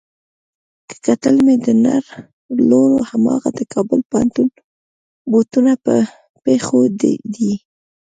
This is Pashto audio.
که کتل مې د نر لور هماغه د کابل پوهنتون بوټونه په پښو دي.